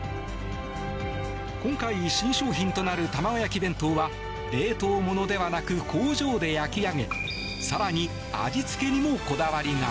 今回、新商品となる玉子焼弁当は冷凍ものではなく工場で焼き上げ更に味付けにもこだわりが。